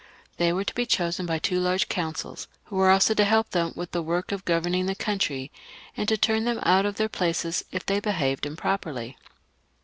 They were to be chosen by two large coimcils, who were also to help them with the work of governing the country, and to turn them out of their places if they behaved improperly.